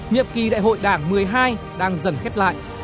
nhiệm kỳ đại hội đảng một mươi hai đang dần khép lại